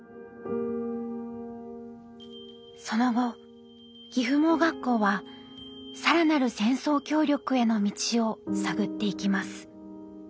その後岐阜盲学校は更なる戦争協力への道を探っていきます。